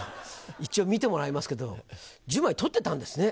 一応見てもらいますけど１０枚取ってたんですね？